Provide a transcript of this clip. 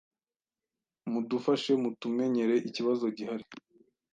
mudufashe mtumenyere ikibazo gihari